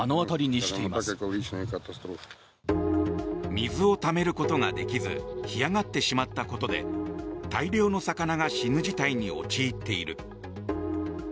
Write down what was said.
水をためることができず干上がってしまったことで大量の魚が死ぬ事態に陥っている。